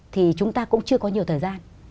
thì chúng ta cũng chưa có nhiều thời gian